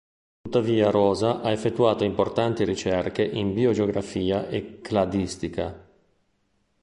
Tuttavia Rosa ha effettuato importanti ricerche in biogeografia e cladistica.